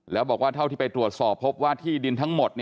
แล้วบอกว่าเท่าที่ไปตรวจสอบพบว่าที่ดินทั้งหมด